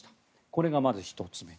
これがまず１つ目。